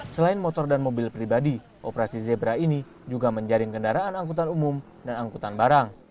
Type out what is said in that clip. selain motor dan mobil pribadi operasi zebra ini juga menjaring kendaraan angkutan umum dan angkutan barang